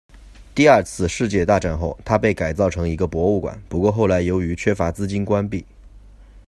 第二次世界大战后，它被改造成一个博物馆，不过后来由于缺乏资金关闭。